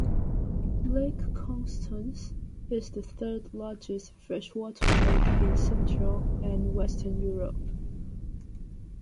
Lake Constance is the third largest freshwater lake in Central and Western Europe.